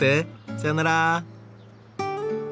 さよなら。